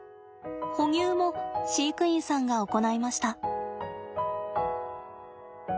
哺乳も飼育員さんが行いました。